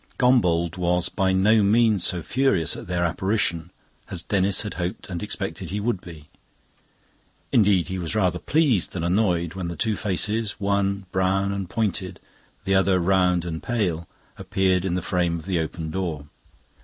Gombauld was by no means so furious at their apparition as Denis had hoped and expected he would be. Indeed, he was rather pleased than annoyed when the two faces, one brown and pointed, the other round and pale, appeared in the frame of the open door.